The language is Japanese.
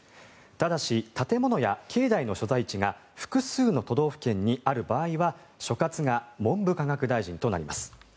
ただし建物や境内の所在地が複数の都道府県にある場合は所轄が文部科学大臣となります。